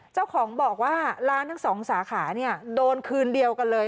เจ้าของบอกว่าร้านทั้งสองสาขาเนี่ยโดนคืนเดียวกันเลย